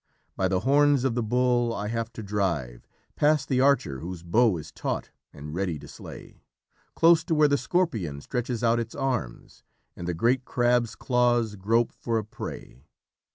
By the horns of the Bull I have to drive, past the Archer whose bow is taut and ready to slay, close to where the Scorpion stretches out its arms and the great Crab's claws grope for a prey...."